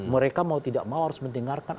mereka mau tidak mau harus mendengarkan